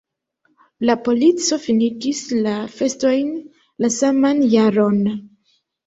La polico finigis la festojn la saman jaron.